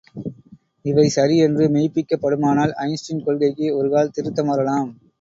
இவை சரி என்று மெய்ப்பிக்கப்படுமானால், ஐன்ஸ்டீன் கொள்கைக்கு ஒருகால் திருத்தம் வரலாம்.